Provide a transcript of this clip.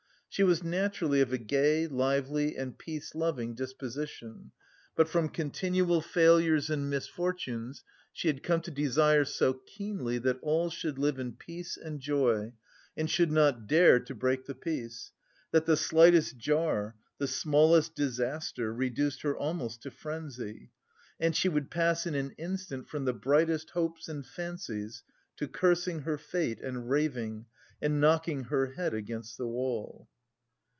She was naturally of a gay, lively and peace loving disposition, but from continual failures and misfortunes she had come to desire so keenly that all should live in peace and joy and should not dare to break the peace, that the slightest jar, the smallest disaster reduced her almost to frenzy, and she would pass in an instant from the brightest hopes and fancies to cursing her fate and raving, and knocking her head against the wall.